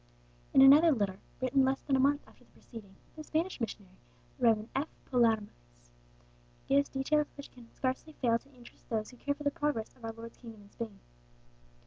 In another letter, written less than a month after the preceding, a Spanish missionary, the Rev. F. Palomares, gives details which can scarcely fail to interest those who care for the progress of our Lord's kingdom in Spain.